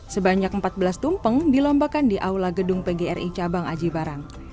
sebanyak empat belas tumpeng dilombakan di aula gedung pgri cabang aji barang